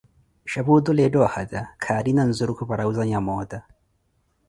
shapu otule ettha ohata, kaarina nzurukhu para wuuzanha moota.